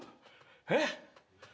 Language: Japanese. えっ？